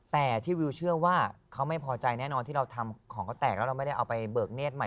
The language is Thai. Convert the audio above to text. แต่ที่วิวเชื่อว่าเขาไม่พอใจแน่นอนที่เราทำของเขาแตกแล้วเราไม่ได้เอาไปเบิกเนธใหม่